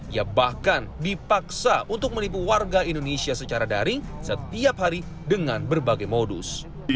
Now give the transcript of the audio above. ia bahkan dipaksa untuk menipu warga indonesia secara daring setiap hari dengan berbagai modus